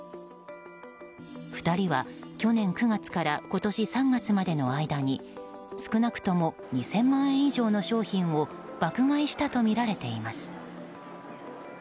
２人は、去年９月から今年３月までの間に少なくとも２０００万円以上の商品を爆買いしたとみられています。